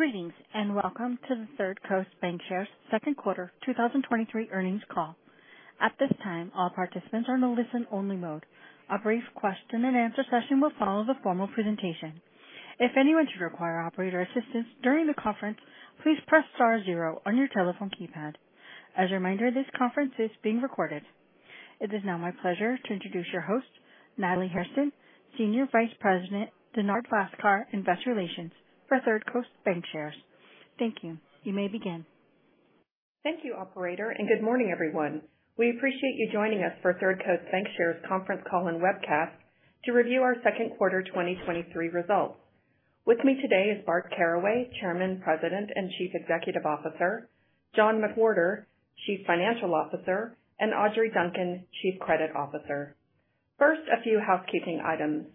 Greetings, welcome to the Third Coast Bancshares second quarter 2023 earnings call. At this time, all participants are in a listen-only mode. A brief question and answer session will follow the formal presentation. If anyone should require operator assistance during the conference, please press star zero on your telephone keypad. As a reminder, this conference is being recorded. It is now my pleasure to introduce your host, Natalie Hairston, Senior Vice President, Dennard Lascar Investor Relations for Third Coast Bancshares. Thank you. You may begin. Thank you, operator, and good morning, everyone. We appreciate you joining us for Third Coast Bancshares conference call and webcast to review our second quarter 2023 results. With me today is Bart Caraway, Chairman, President, and Chief Executive Officer, John McWhorter, Chief Financial Officer, and Audrey Duncan, Chief Credit Officer. First, a few housekeeping items.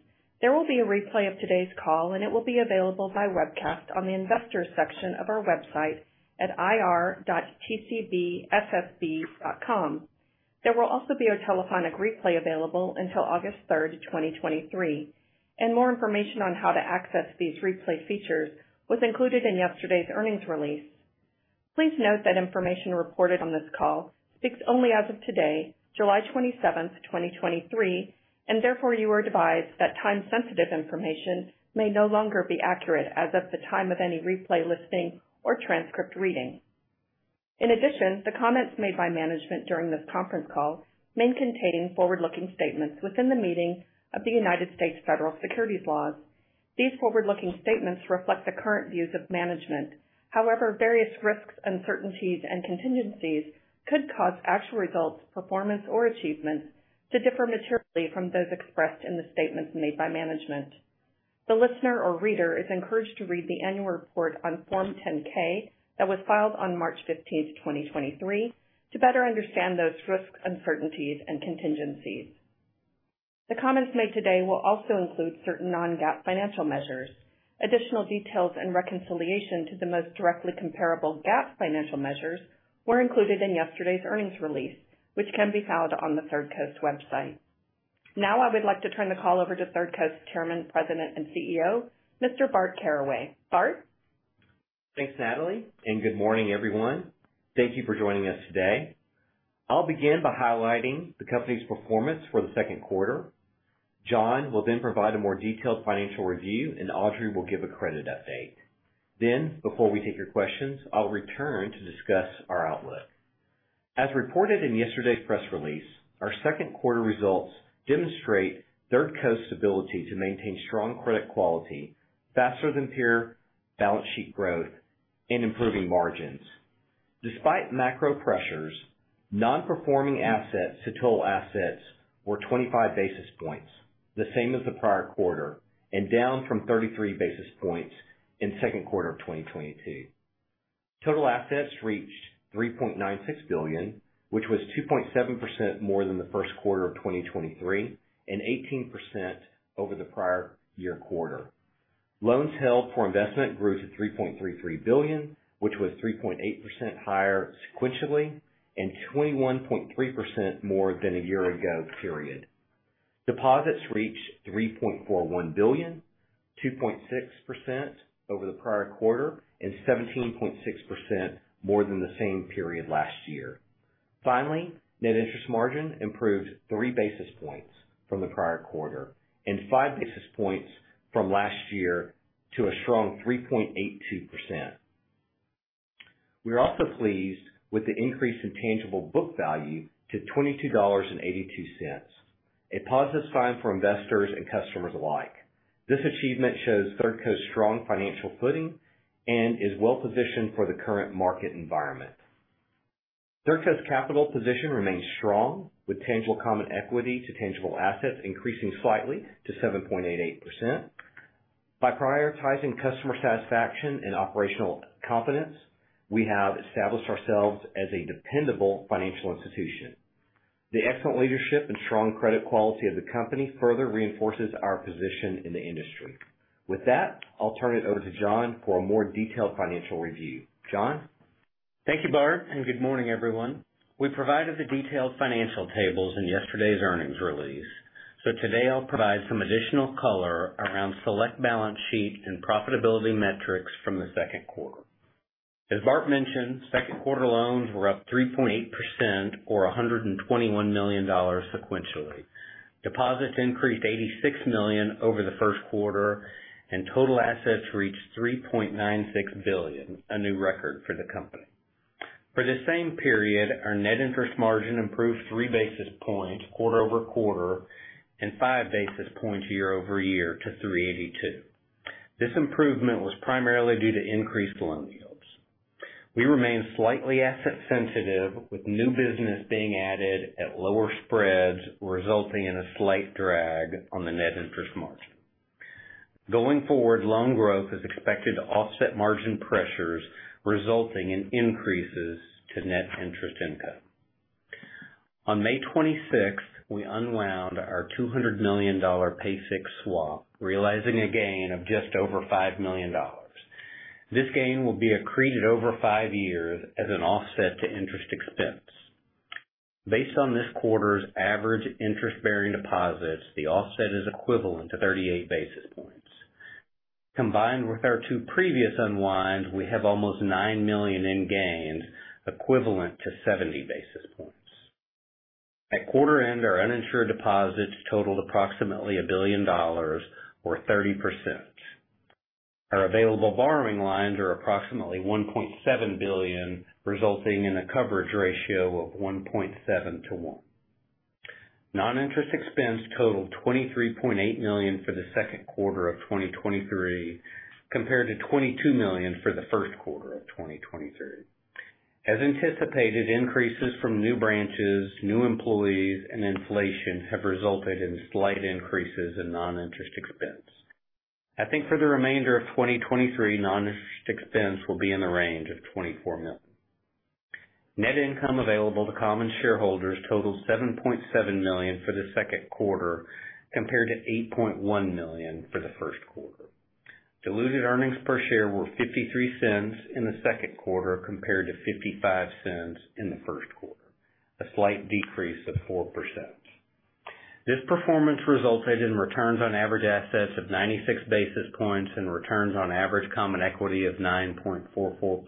There will be a replay of today's call, and it will be available by webcast on the Investors section of our website at ir.tcbssb.com. There will also be a telephonic replay available until August 3, 2023, and more information on how to access these replay features was included in yesterday's earnings release. Please note that information reported on this call speaks only as of today, July 27, 2023, and therefore you are advised that time-sensitive information may no longer be accurate as of the time of any replay, listening or transcript reading. In addition, the comments made by management during this conference call may contain forward-looking statements within the meaning of the United States federal securities laws. These forward-looking statements reflect the current views of management. However, various risks, uncertainties, and contingencies could cause actual results, performance, or achievements to differ materially from those expressed in the statements made by management. The listener or reader is encouraged to read the annual report on Form 10-K that was filed on March 15, 2023, to better understand those risks, uncertainties and contingencies. The comments made today will also include certain non-GAAP financial measures. Additional details and reconciliation to the most directly comparable GAAP financial measures were included in yesterday's earnings release, which can be found on the Third Coast website. I would like to turn the call over to Third Coast Chairman, President, and CEO, Mr. Bart Caraway. Bart? Thanks, Natalie, and good morning, everyone. Thank you for joining us today. I'll begin by highlighting the company's performance for the second quarter. John will then provide a more detailed financial review and Audrey will give a credit update. Before we take your questions, I'll return to discuss our outlook. As reported in yesterday's press release, our second quarter results demonstrate Third Coast's ability to maintain strong credit quality faster than peer balance sheet growth and improving margins. Despite macro pressures, non-performing assets to total assets were 25 basis points, the same as the prior quarter, and down from 33 basis points in second quarter of 2022. Total assets reached $3.96 billion, which was 2.7% more than the first quarter of 2023, and 18% over the prior year quarter. Loans held for investment grew to $3.33 billion, which was 3.8% higher sequentially and 21.3% more than a year ago period. Deposits reached $3.41 billion, 2.6% over the prior quarter and 17.6% more than the same period last year. Finally, net interest margin improved 3 basis points from the prior quarter and 5 basis points from last year to a strong 3.82%. We are also pleased with the increase in tangible book value to $22.82, a positive sign for investors and customers alike. This achievement shows Third Coast's strong financial footing and is well positioned for the current market environment. Third Coast's capital position remains strong, with tangible common equity to tangible assets increasing slightly to 7.88%. By prioritizing customer satisfaction and operational confidence, we have established ourselves as a dependable financial institution. The excellent leadership and strong credit quality of the company further reinforces our position in the industry. With that, I'll turn it over to John for a more detailed financial review. John? Thank you, Bart. Good morning, everyone. We provided the detailed financial tables in yesterday's earnings release. Today I'll provide some additional color around select balance sheet and profitability metrics from the second quarter. As Bart mentioned, second quarter loans were up 3.8%, or $121 million sequentially. Deposits increased $86 million over the first quarter. Total assets reached $3.96 billion, a new record for the company. For the same period, our net interest margin improved 3 basis points quarter-over-quarter and 5 basis points year-over-year to 3.82%. This improvement was primarily due to increased loan yields. We remain slightly asset sensitive, with new business being added at lower spreads, resulting in a slight drag on the net interest margin. Going forward, loan growth is expected to offset margin pressures, resulting in increases to net interest income. On May 26th, we unwound our $200 million pay-fixed swap, realizing a gain of just over $5 million. This gain will be accreted over five years as an offset to interest expense. Based on this quarter's average interest-bearing deposits, the offset is equivalent to 38 basis points. Combined with our two previous unwinds, we have almost $9 million in gains, equivalent to 70 basis points. At quarter end, our uninsured deposits totaled approximately $1 billion, or 30%. Our available borrowing lines are approximately $1.7 billion, resulting in a coverage ratio of 1.7 to 1. non-interest expense totaled $23.8 million for the second quarter of 2023, compared to $22 million for the first quarter of 2023. As anticipated, increases from new branches, new employees, and inflation have resulted in slight increases in non-interest expense. I think for the remainder of 2023, non-interest expense will be in the range of $24 million. Net income available to common shareholders totaled $7.7 million for the second quarter, compared to $8.1 million for the first quarter. Diluted earnings per share were $0.53 in the second quarter, compared to $0.55 in the first quarter, a slight decrease of 4%. This performance resulted in returns on average assets of 96 basis points and returns on average common equity of 9.44%.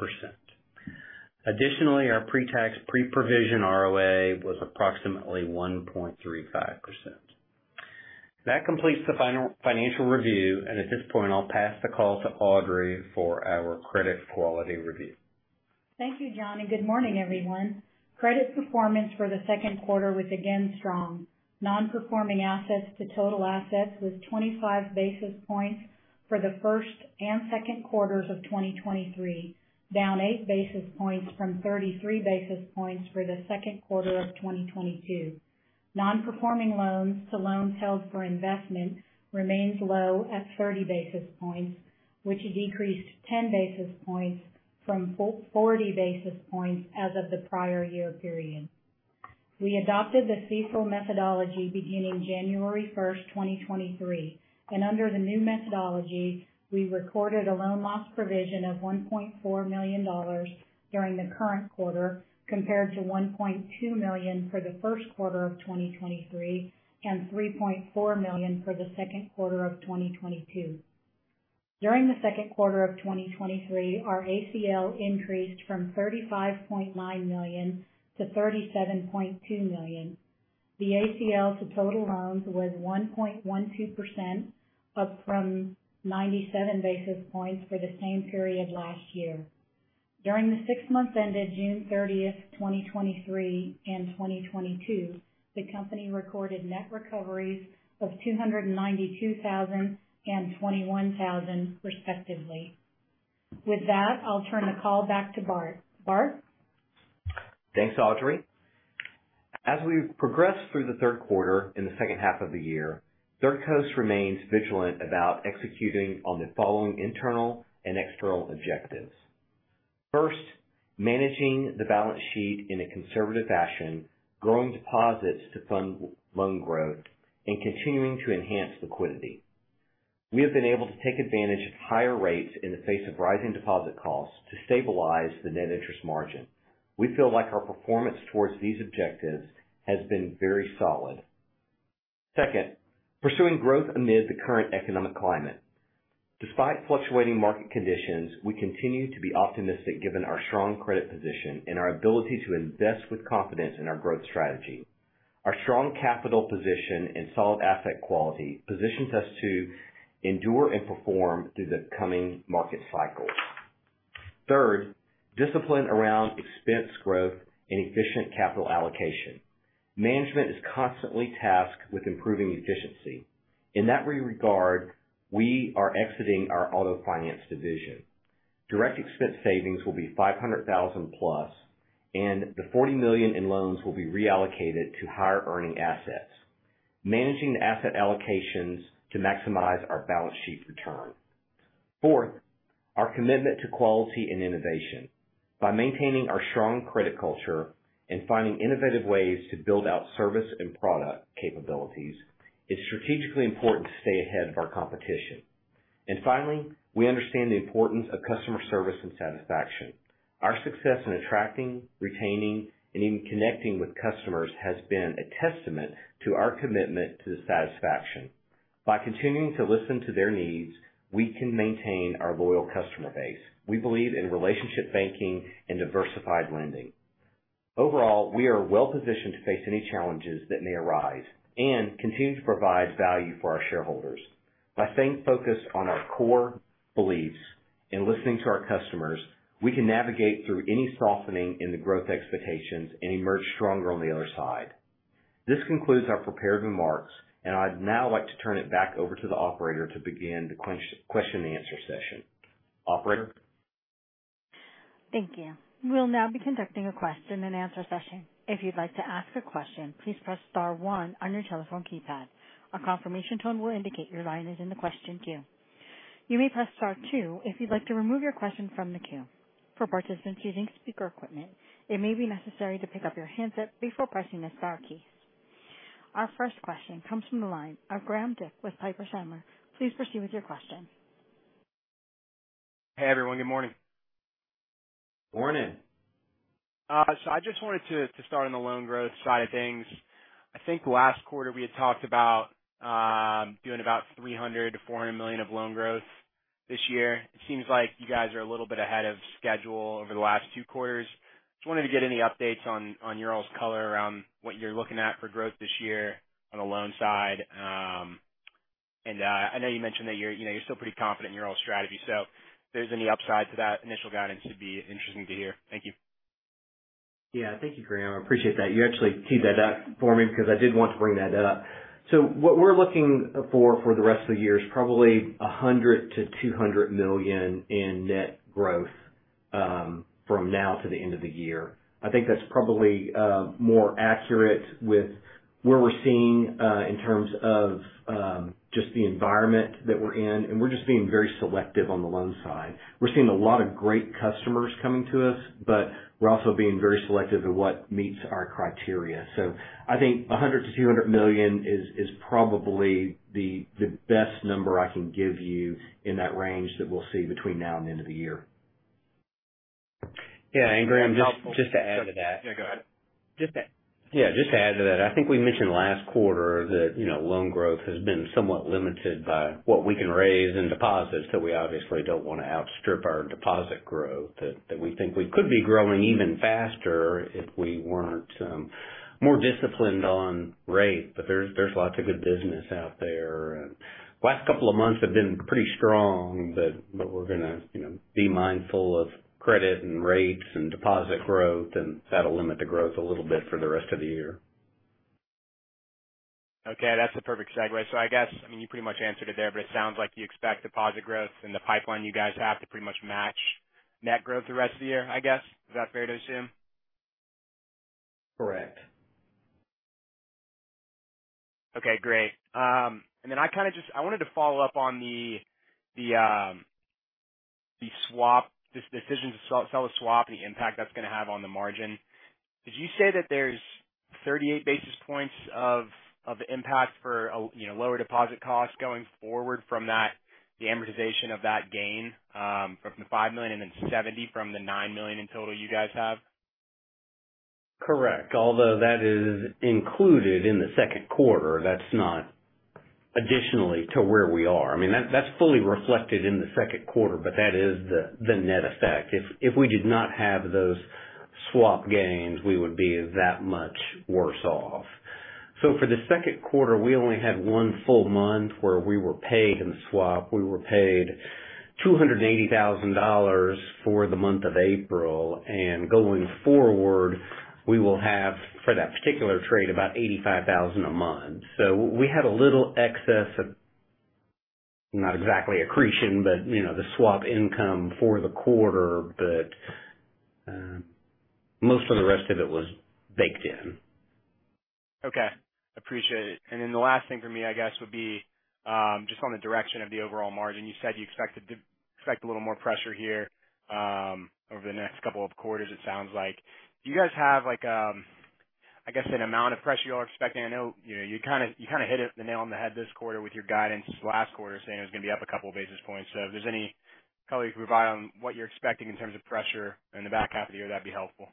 Additionally, our pretax pre-provision ROA was approximately 1.35%. That completes the final financial review, and at this point, I'll pass the call to Audrey for our credit quality review. Thank you, John. Good morning, everyone. Credit performance for the second quarter was again strong. Non-performing assets to total assets was 25 basis points for the first and second quarters of 2023, down 8 basis points from 33 basis points for the second quarter of 2022. Non-performing loans to loans held for investment remains low at 30 basis points, which decreased 10 basis points from 40 basis points as of the prior year period. We adopted the CECL methodology beginning January 1st, 2023, and under the new methodology, we recorded a loan loss provision of $1.4 million during the current quarter, compared to $1.2 million for the first quarter of 2023, and $3.4 million for the second quarter of 2022. During the second quarter of 2023, our ACL increased from $35.9 million to $37.2 million. The ACL to total loans was 1.12%, up from 97 basis points for the same period last year. During the six months ended June 30th, 2023 and 2022, the company recorded net recoveries of $292,000 and $21,000, respectively. With that, I'll turn the call back to Bart. Bart? Thanks, Audrey. As we progress through the third quarter in the second half of the year, Third Coast remains vigilant about executing on the following internal and external objectives. First, managing the balance sheet in a conservative fashion, growing deposits to fund loan growth, and continuing to enhance liquidity. We have been able to take advantage of higher rates in the face of rising deposit costs to stabilize the net interest margin. We feel like our performance towards these objectives has been very solid. Second, pursuing growth amid the current economic climate. Despite fluctuating market conditions, we continue to be optimistic given our strong credit position and our ability to invest with confidence in our growth strategy. Our strong capital position and solid asset quality positions us to endure and perform through the coming market cycles. Third, discipline around expense growth and efficient capital allocation. Management is constantly tasked with improving efficiency. In that regard, we are exiting our auto finance division. Direct expense savings will be $500,000+, and the $40 million in loans will be reallocated to higher-earning assets, managing the asset allocations to maximize our balance sheet return. Fourth, our commitment to quality and innovation. By maintaining our strong credit culture and finding innovative ways to build out service and product capabilities, it's strategically important to stay ahead of our competition. Finally, we understand the importance of customer service and satisfaction. Our success in attracting, retaining, and even connecting with customers has been a testament to our commitment to the satisfaction. By continuing to listen to their needs, we can maintain our loyal customer base. We believe in relationship banking and diversified lending. Overall, we are well positioned to face any challenges that may arise and continue to provide value for our shareholders. By staying focused on our core beliefs and listening to our customers, we can navigate through any softening in the growth expectations and emerge stronger on the other side. This concludes our prepared remarks. I'd now like to turn it back over to the operator to begin the question and answer session. Operator? Thank you. We'll now be conducting a question and answer session. If you'd like to ask a question, please press star one on your telephone keypad. A confirmation tone will indicate your line is in the question queue. You may press star two if you'd like to remove your question from the queue. For participants using speaker equipment, it may be necessary to pick up your handset before pressing the star key. Our first question comes from the line of Graham Dick with Piper Sandler. Please proceed with your question. Hey, everyone, good morning. Morning. I just wanted to start on the loan growth side of things. I think last quarter we had talked about doing about $300 million-$400 million of loan growth this year. It seems like you guys are a little bit ahead of schedule over the last two quarters. Just wanted to get any updates on your all's color around what you're looking at for growth this year on the loan side. I know you mentioned that you're, you know, you're still pretty confident in your all's strategy, so if there's any upside to that initial guidance, it'd be interesting to hear. Thank you. Yeah. Thank you, Graham. I appreciate that. You actually teed that up for me because I did want to bring that up. What we're looking for, for the rest of the year is probably $100 million-$200 million in net growth, from now to the end of the year. I think that's probably more accurate with where we're seeing, in terms of, just the environment that we're in. We're just being very selective on the loan side. We're seeing a lot of great customers coming to us. We're also being very selective in what meets our criteria. I think $100 million-$200 million is probably the best number I can give you in that range that we'll see between now and the end of the year. Yeah, Graham, just to add to that- Yeah, go ahead. Yeah, just to add to that, I think we mentioned last quarter that, you know, loan growth has been somewhat limited by what we can raise in deposits, so we obviously don't want to outstrip our deposit growth. That we think we could be growing even faster if we weren't more disciplined on rate. There's lots of good business out there, and last couple of months have been pretty strong. We're gonna, you know, be mindful of credit and rates and deposit growth, and that'll limit the growth a little bit for the rest of the year. Okay, that's a perfect segue. I guess, I mean, you pretty much answered it there, but it sounds like you expect deposit growth and the pipeline, you guys have to pretty much match net growth the rest of the year, I guess. Is that fair to assume? Correct. Okay, great. and then I kind of I wanted to follow up on the, the, the swap, this decision to sell the swap and the impact that's gonna have on the margin. Did you say that there's 38 basis points of impact for a, you know, lower deposit cost going forward from that, the amortization of that gain, from the $5 million and then 70 from the $9 million in total you guys have? Correct. Although that is included in the second quarter, that's not additionally to where we are. I mean, that's fully reflected in the second quarter, but that is the net effect. If we did not have those swap gains, we would be that much worse off. For the second quarter, we only had one full month where we were paid in the swap. We were paid $280,000 for the month of April, going forward, we will have, for that particular trade, about $85,000 a month. We had a little excess of not exactly accretion, but, you know, the swap income for the quarter. Most of the rest of it was baked in. Okay, appreciate it. The last thing for me, I guess, would be, just on the direction of the overall margin. You said you expect a little more pressure here, over the next couple of quarters, it sounds like. Do you guys have like a, I guess, an amount of pressure you all are expecting? I know, you know, you kind of hit it the nail on the head this quarter with your guidance last quarter, saying it was going to be up a couple of basis points. If there's any color you can provide on what you're expecting in terms of pressure in the back half of the year, that'd be helpful.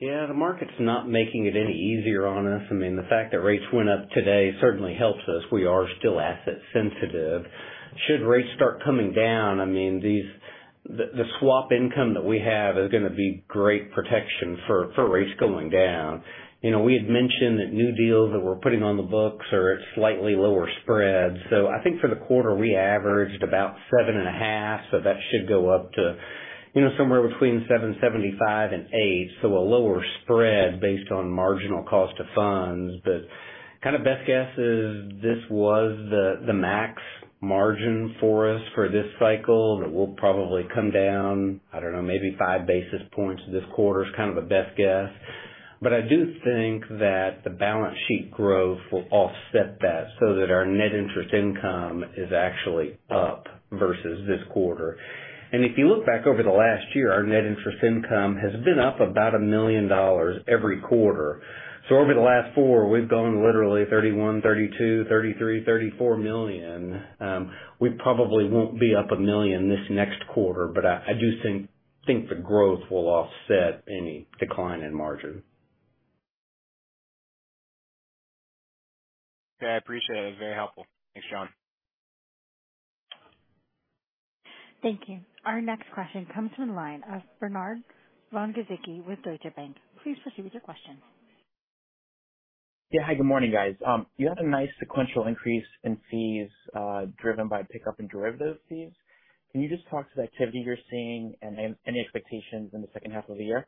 Yeah. The market's not making it any easier on us. I mean, the fact that rates went up today certainly helps us. We are still asset sensitive. Should rates start coming down, I mean, the swap income that we have is gonna be great protection for rates going down. You know, we had mentioned that new deals that we're putting on the books are at slightly lower spreads. I think for the quarter, we averaged about 7.5, that should go up to, you know, somewhere between 7.75 and 8. A lower spread based on marginal cost of funds. Kind of best guess is this was the max margin for us for this cycle, that will probably come down, I don't know, maybe 5 basis points this quarter, is kind of a best guess. I do think that the balance sheet growth will offset that, so that our net interest income is actually up versus this quarter. If you look back over the last year, our net interest income has been up about $1 million every quarter. Over the last four, we've gone literally $31 million, $32 million, $33 million, $34 million. We probably won't be up $1 million this next quarter, but I do think the growth will offset any decline in margin. Okay, I appreciate it. Very helpful. Thanks, Sean. Thank you. Our next question comes from the line of Bernard von Gizycki with Deutsche Bank. Please proceed with your question. Hi, good morning, guys. You had a nice sequential increase in fees, driven by pickup in derivative fees. Can you just talk to the activity you're seeing and any expectations in the second half of the year?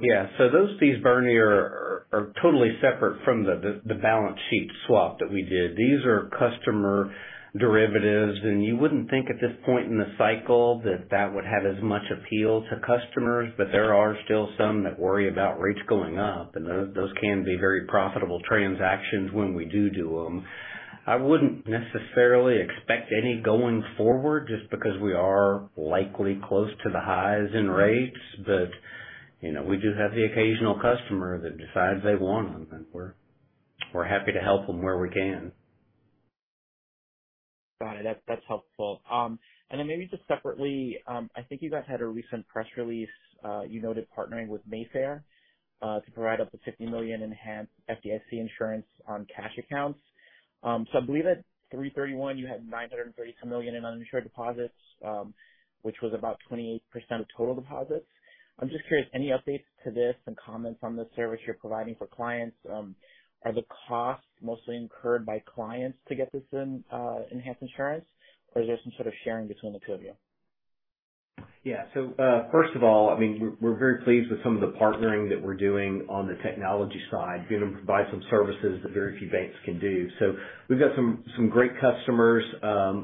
Yeah. Those fees, Bernie, are totally separate from the balance sheet swap that we did. These are customer derivatives, and you wouldn't think at this point in the cycle that that would have as much appeal to customers, but there are still some that worry about rates going up, and those can be very profitable transactions when we do them. I wouldn't necessarily expect any going forward, just because we are likely close to the highs in rates. You know, we do have the occasional customer that decides they want one, and we're happy. We're happy to help them where we can. Got it. That's helpful. Maybe just separately, I think you guys had a recent press release, you noted partnering with Mayfair to provide up to $50 million in enhanced FDIC insurance on cash accounts. I believe at 3/31, you had $930 million in uninsured deposits, which was about 28% of total deposits. I'm just curious, any updates to this and comments on the service you're providing for clients? Are the costs mostly incurred by clients to get this enhanced insurance, or is there some sort of sharing between the two of you? Yeah. First of all, I mean, we're very pleased with some of the partnering that we're doing on the technology side, being able to provide some services that very few banks can do. We've got some great customers,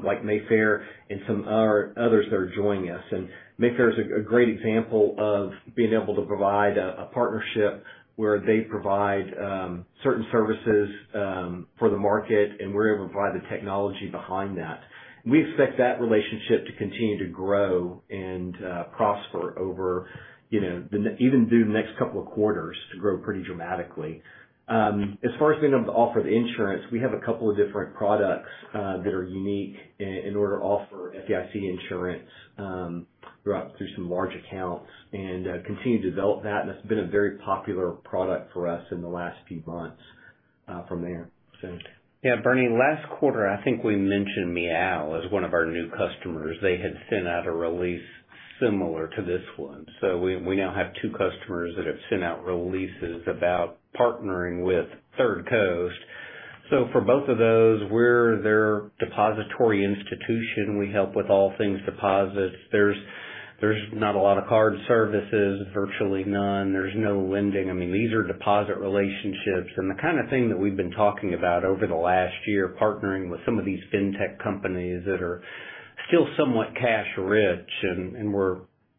like Mayfair and some others that are joining us. Mayfair is a great example of being able to provide a partnership where they provide certain services for the market, and we're able to provide the technology behind that. We expect that relationship to continue to grow and prosper over, you know, even through the next couple of quarters, to grow pretty dramatically. As far as being able to offer the insurance, we have a couple of different products that are unique in order to offer FDIC insurance throughout, through some large accounts and continue to develop that. That's been a very popular product for us in the last few months from there. Yeah, Bernie, last quarter, I think we mentioned Meow as one of our new customers. They had sent out a release similar to this one. We now have two customers that have sent out releases about partnering with Third Coast. For both of those, we're their depository institution. We help with all things deposits. There's not a lot of card services, virtually none. There's no lending. I mean, these are deposit relationships and the kind of thing that we've been talking about over the last year, partnering with some of these fintech companies that are still somewhat cash rich.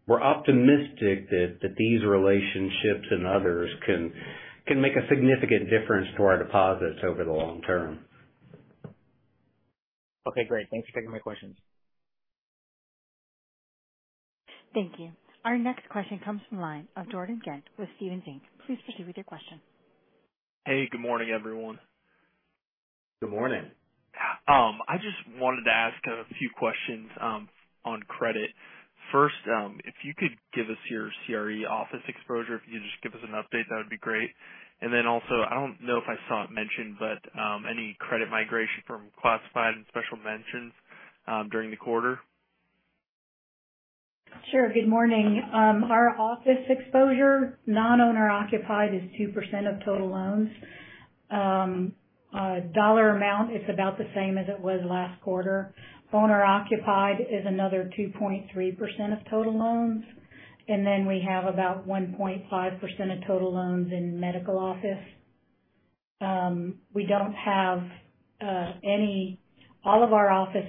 We're optimistic that these relationships and others can make a significant difference to our deposits over the long term. Okay, great. Thanks for taking my questions. Thank you. Our next question comes from the line of Jordan Ghent with Stephens Inc. Please proceed with your question. Hey, good morning, everyone. Good morning. I just wanted to ask a few questions on credit. First, if you could give us your CRE office exposure, if you could just give us an update, that would be great. Also, I don't know if I saw it mentioned, but any credit migration from classified and special mentions during the quarter? Sure. Good morning. Our office exposure, non-owner occupied, is 2% of total loans. Dollar amount, it's about the same as it was last quarter. Owner occupied is another 2.3% of total loans. We have about 1.5% of total loans in medical office. All of our office,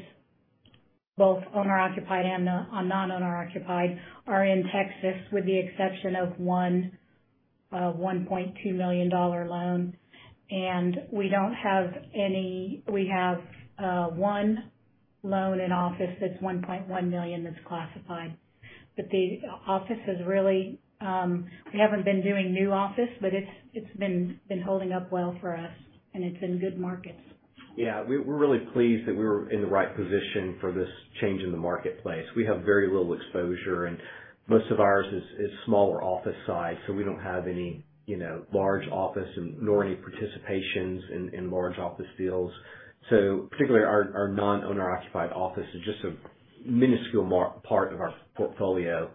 both owner occupied and the non-owner occupied, are in Texas, with the exception of one $1.2 million loan. We have one loan in office that's $1.1 million that's classified. The office is really, we haven't been doing new office, but it's been holding up well for us, and it's in good markets. Yeah. We're really pleased that we were in the right position for this change in the marketplace. We have very little exposure, and most of ours is smaller office size, so we don't have any, you know, large office and nor any participations in, in large office deals. Particularly our, our non-owner occupied office is just a minuscule part of our portfolio.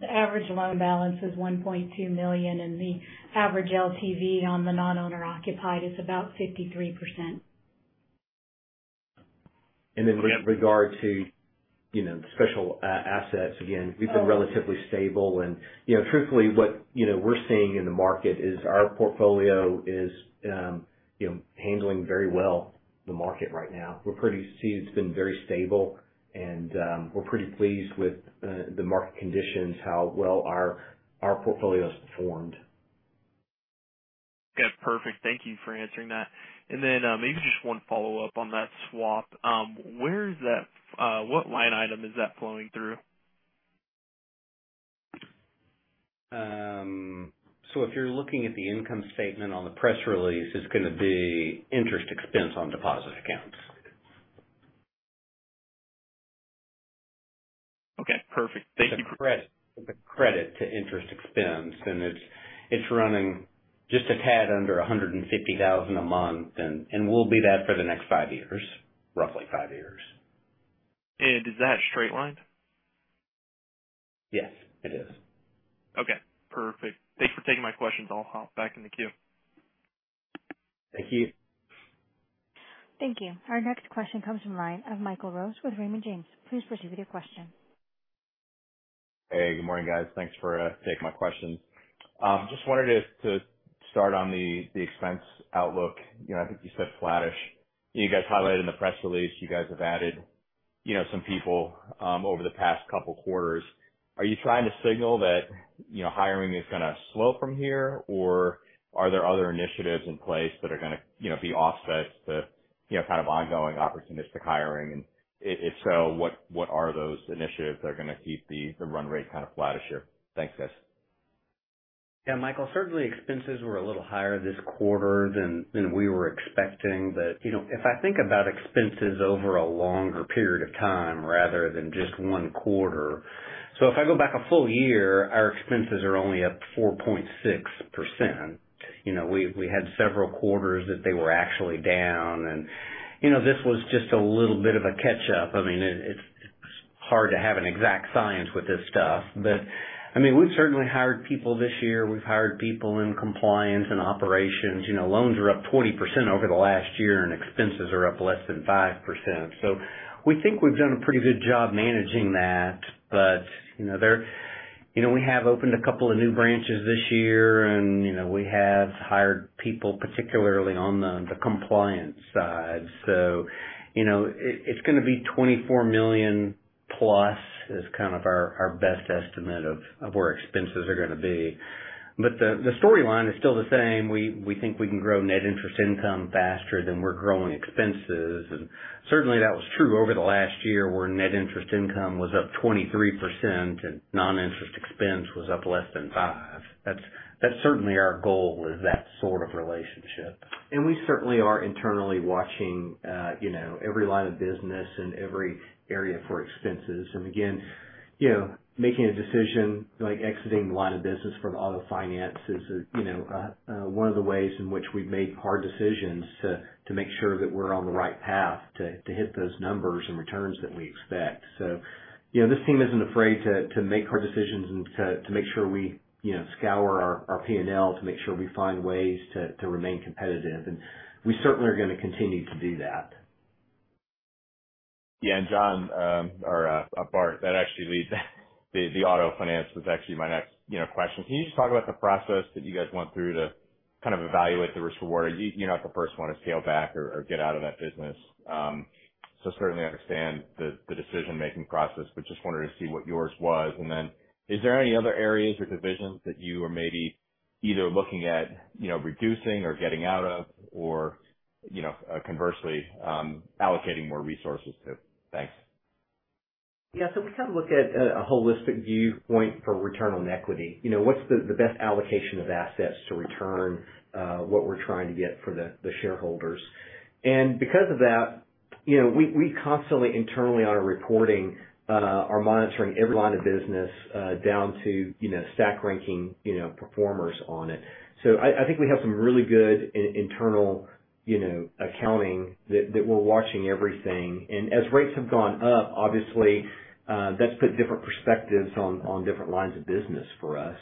The average loan balance is $1.2 million, and the average LTV on the non-owner occupied is about 53%. With regard to, you know, special assets, again, we've been relatively stable. You know, truthfully, what, you know, we're seeing in the market is our portfolio is, you know, handling very well the market right now. It's been very stable and, we're pretty pleased with the market conditions, how well our portfolio's performed. Yeah, perfect. Thank you for answering that. Maybe just one follow-up on that swap. Where is that? What line item is that flowing through? If you're looking at the income statement on the press release, it's gonna be interest expense on deposit accounts. Okay, perfect. Thank you. The credit to interest expense, and it's running just a tad under $150,000 a month, and will be that for the next five years, roughly five years. Is that straight lined? Yes, it is. Okay, perfect. Thanks for taking my questions. I'll hop back in the queue. Thank you. Thank you. Our next question comes from the line of Michael Rose with Raymond James. Please proceed with your question. Hey, good morning, guys. Thanks for taking my questions. Just wanted to start on the expense outlook. You know, I think you said flattish. You guys highlighted in the press release, you guys have added, you know, some people over the past couple quarters. Are you trying to signal that, you know, hiring is gonna slow from here, or are there other initiatives in place that are gonna, you know, be offsets to, you know, kind of ongoing opportunistic hiring? If so, what are those initiatives that are gonna keep the run rate kind of flattish here? Thanks, guys. Yeah, Michael, certainly expenses were a little higher this quarter than we were expecting. You know, if I think about expenses over a longer period of time rather than just 1 quarter, if I go back a full year, our expenses are only up 4.6%. You know, we, we had several quarters that they were actually down. You know, this was just a little bit of a catch-up. I mean, it's hard to have an exact science with this stuff. I mean, we've certainly hired people this year. We've hired people in compliance and operations. You know, loans are up 20% over the last year. Expenses are up less than 5%. We think we've done a pretty good job managing that. You know, we have opened a couple of new branches this year, and, you know, we have hired people, particularly on the compliance side. You know, it, it's gonna be $24 million plus is kind of our best estimate of where expenses are gonna be. The storyline is still the same. We think we can grow net interest income faster than we're growing expenses. Certainly, that was true over the last year, where net interest income was up 23% and non-interest expense was up less than five. That's certainly our goal, is that sort of relationship. We certainly are internally watching, you know, every line of business and every area for expenses. Again, you know, making a decision, like exiting the line of business from Auto Finance is, you know, one of the ways in which we've made hard decisions to make sure that we're on the right path to hit those numbers and returns that we expect. You know, this team isn't afraid to make hard decisions and to make sure we, you know, scour our P&L to make sure we find ways to remain competitive, and we certainly are gonna continue to do that. Yeah, John, or Bart, that actually leads the, the auto finance was actually my next, you know, question. Can you just talk about the process that you guys went through to kind of evaluate the risk/reward? You, you're not the first one to scale back or get out of that business, so certainly understand the, the decision-making process, but just wanted to see what yours was. Then is there any other areas or divisions that you are maybe either looking at, you know, reducing or getting out of, or, you know, conversely, allocating more resources to? Thanks. We kind of look at a holistic viewpoint for return on equity. You know, what's the best allocation of assets to return, what we're trying to get for the shareholders? Because of that, you know, we constantly, internally on our reporting, are monitoring every line of business, down to, you know, stack ranking, you know, performers on it. I think we have some really good internal, you know, accounting that we're watching everything. As rates have gone up, obviously, that's put different perspectives on different lines of business for us.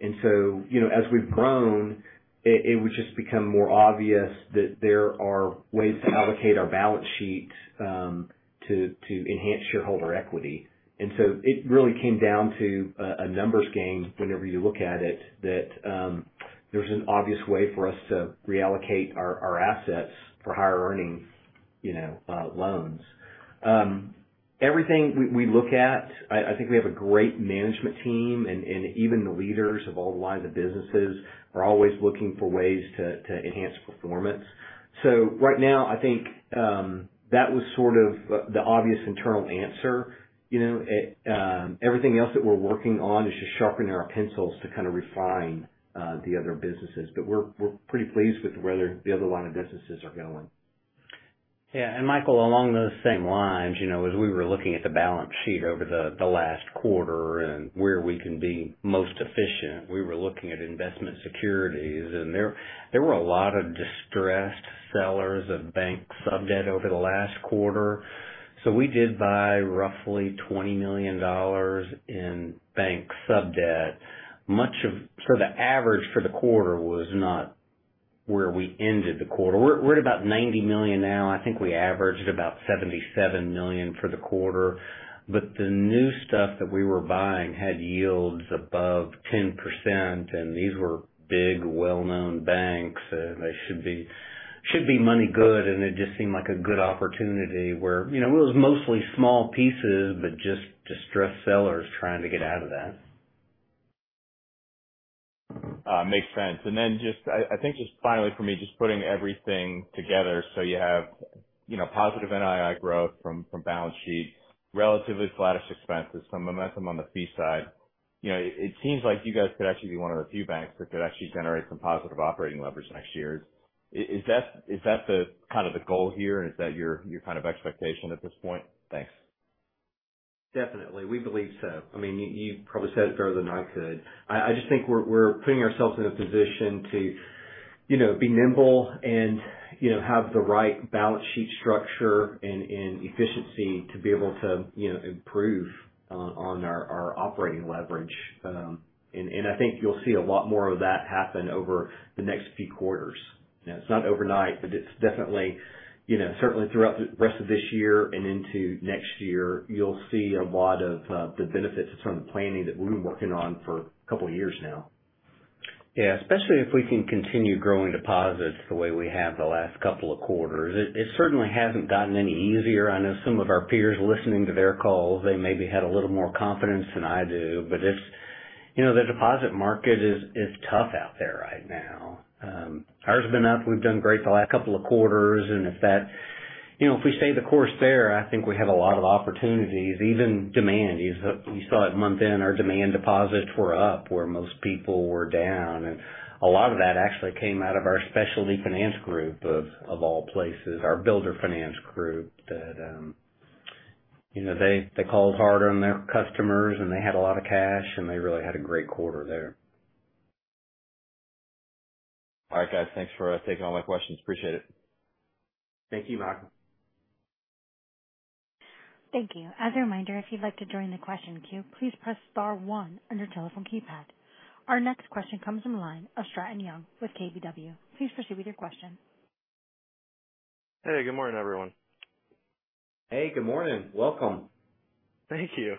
You know, as we've grown, it would just become more obvious that there are ways to allocate our balance sheet, to enhance shareholder equity. It really came down to a numbers game whenever you look at it, that there's an obvious way for us to reallocate our assets for higher earnings, you know, loans. Everything we look at, I think we have a great management team, and even the leaders of all the lines of businesses are always looking for ways to enhance performance. Right now, I think that was sort of the obvious internal answer. You know, it, everything else that we're working on is just sharpening our pencils to kind of refine the other businesses. We're pretty pleased with the way the other line of businesses are going. Yeah, Michael, along those same lines, you know, as we were looking at the balance sheet over the last quarter and where we can be most efficient, we were looking at investment securities, and there were a lot of distressed sellers of bank sub-debt over the last quarter. We did buy roughly $20 million in bank sub-debt. The average for the quarter was not where we ended the quarter. We're at about $90 million now. I think I averaged about $77 million for the quarter. The new stuff that we were buying had yields above 10%. These were big, well-known banks, and they should be money good, and it just seemed like a good opportunity where, you know, it was mostly small pieces, but just distressed sellers trying to get out of that. makes sense. I think just finally for me, just putting everything together, you have, you know, positive NII growth from balance sheet, relatively flattish expenses, some momentum on the fee side. You know, it seems like you guys could actually be one of the few banks that could actually generate some positive operating leverage next year. Is that, is that the kind of the goal here, and is that your kind of expectation at this point? Thanks. Definitely, we believe so. I mean, you probably said it better than I could. I just think we're putting ourselves in a position to, you know, be nimble and, you know, have the right balance sheet structure and, and efficiency to be able to, you know, improve on our, our operating leverage. I think you'll see a lot more of that happen over the next few quarters. You know, it's not overnight, but it's definitely, you know, certainly throughout the rest of this year and into next year, you'll see a lot of the benefits from the planning that we've been working on for a couple of years now. Yeah, especially if we can continue growing deposits the way we have the last couple of quarters. It, it certainly hasn't gotten any easier. I know some of our peers, listening to their calls, they maybe had a little more confidence than I do, but it's... You know, the deposit market is, is tough out there right now. Ours have been up. We've done great the last couple of quarters, and if You know, if we stay the course there, I think we have a lot of opportunities, even demand. You saw it month-end, our demand deposits were up where most people were down, and a lot of that actually came out of our specialty finance group, of all places, our builder finance group, that, you know, they called hard on their customers, and they had a lot of cash, and they really had a great quarter there. All right, guys. Thanks for taking all my questions. Appreciate it. Thank you, Michael. Thank you. As a reminder, if you'd like to join the question queue, please press star one on your telephone keypad. Our next question comes from the line of Stratton Young with KBW. Please proceed with your question. Hey, good morning, everyone. Hey, good morning. Welcome. Thank you.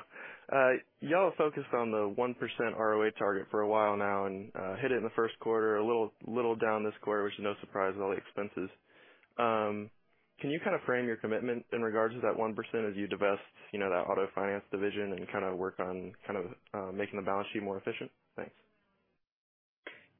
Y'all focused on the 1% ROA target for a while now and hit it in the first quarter, a little down this quarter, which is no surprise with all the expenses. Can you kind of frame your commitment in regards to that 1% as you divest, you know, that auto finance division and kind of work on making the balance sheet more efficient? Thanks.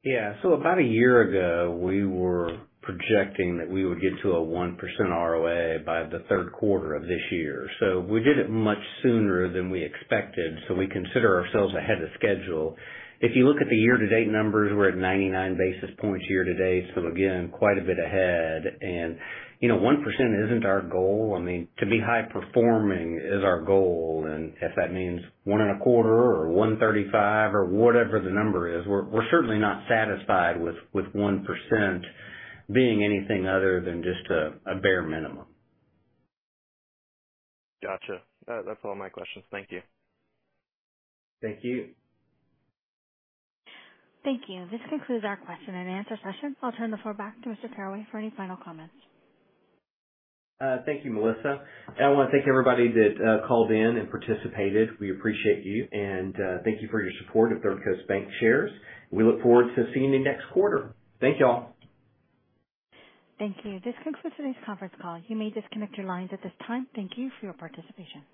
Yeah. About a year ago, we were projecting that we would get to a 1% ROA by the third quarter of this year. We did it much sooner than we expected, so we consider ourselves ahead of schedule. If you look at the year-to-date numbers, we're at 99 basis points year to date, so again, quite a bit ahead. You know, 1% isn't our goal. I mean, to be high performing is our goal, and if that means 1.25% or 1.35% or whatever the number is, we're certainly not satisfied with 1% being anything other than just a bare minimum. Gotcha. That's all my questions. Thank you. Thank you. Thank you. This concludes our question and answer session. I'll turn the floor back to Mr. Caraway for any final comments. Thank you, Melissa. I want to thank everybody that called in and participated. We appreciate you, and thank you for your support of Third Coast Bancshares. We look forward to seeing you next quarter. Thank y'all. Thank you. This concludes today's conference call. You may disconnect your lines at this time. Thank you for your participation.